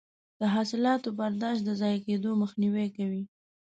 د حاصلاتو برداشت د ضایع کیدو مخنیوی کوي.